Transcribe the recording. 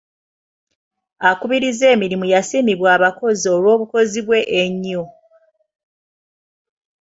Akubiriza emirimu yasiimibwa abakozi olw'obukozi bwe ennyo.